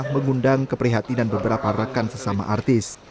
mengundang keprihatinan beberapa rekan sesama artis